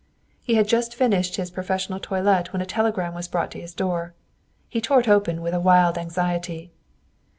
He had just finished his professional toilet when a telegram was brought to his door. He tore it open with a wild anxiety.